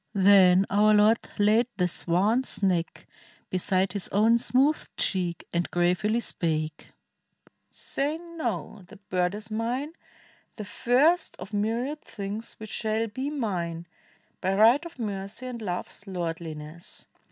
Then our Lord Laid the swan's neck beside his own smooth cheek And gravely spake, "Say no! the bird is mine. The first of m} riad things which shall be mine By right of mercy and love's lordhness.